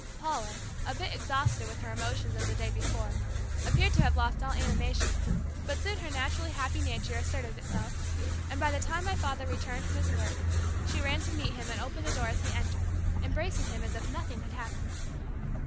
Paula, a bit exhausted with her emotions of the day before, appeared to have lost all animation, but soon her naturally happy nature asserted itself, and by the time my father returned from his work, she ran to meet him and opened the door as he entered, embracing him as if nothing had happened.